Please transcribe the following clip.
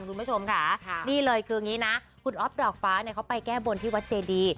คุณผู้ชมค่ะนี่เลยคืออย่างนี้นะคุณอ๊อฟดอกฟ้าเนี่ยเขาไปแก้บนที่วัดเจดี